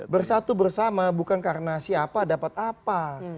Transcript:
bersatu bersama bukan karena siapa dapat apa